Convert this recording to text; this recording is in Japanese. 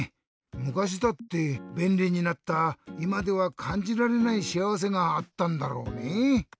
むかしだってべんりになったいまではかんじられないしあわせがあったんだろうねぇ。